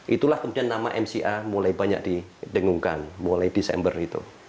itulah kemudian nama mca mulai banyak didengungkan mulai desember itu